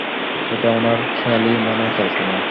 এটা উনার খেয়ালী মনের কল্পনা।